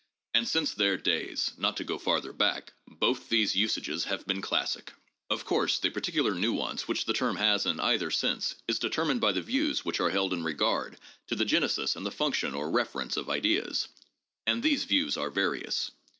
And since their days, not to go farther hack, hoth these usages have heen classic. Of course, the particular nuance which the term has in either sense is determined hy the views which are held in regard to the genesis and the function or reference of ideas; and these views are various.